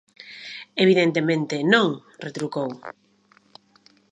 "Evidentemente, non", retrucou.